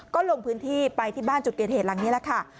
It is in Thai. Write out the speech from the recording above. ก็ลงพื้นที่ไปที่บ้านจุดเกิดเหตุหลังนี้แหละค่ะ